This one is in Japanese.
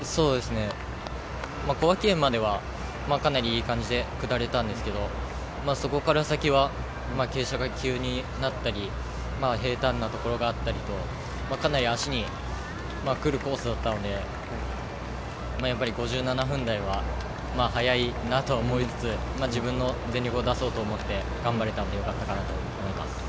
小涌園まではかなりいい感じで下れたんですけど、そこから先は傾斜が急になったり平たんなところがあったりと、かなり足にくるコースだったので、５７分台は早いなと思いつつ、自分の全力を出そうと思って頑張れたんで、よかったかなと思います。